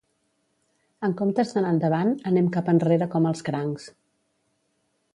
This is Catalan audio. En comptes d'anar endavant, anem cap enrere com els crancs.